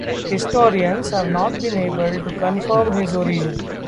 Historians have not been able to confirm his origin.